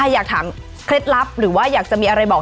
อยากถามเคล็ดลับหรือว่าอยากจะมีอะไรบอก